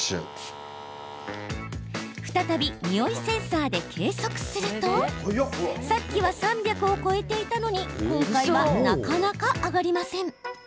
再び、においセンサーで計測するとさっきは３００を超えていたのに今回は、なかなか上がりません。